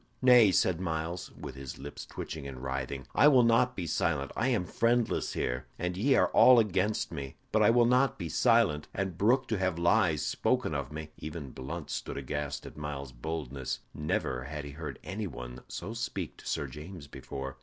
"Nay," said Myles, with his lips twitching and writhing, "I will not be silent. I am friendless here, and ye are all against me, but I will not be silent, and brook to have lies spoken of me." Even Blunt stood aghast at Myles's boldness. Never had he heard any one so speak to Sir James before.